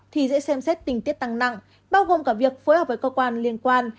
thì dễ xem xét tình tiết tăng nặng bao gồm cả việc phối hợp với cơ quan liên quan